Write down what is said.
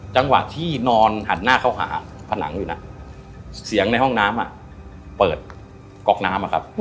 จังหวะที่นอนหันหน้าเข้าหาผนังอยู่นะเสียงในห้องน้ำเปิดก๊อกน้ำอะครับ